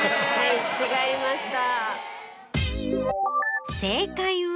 違いました。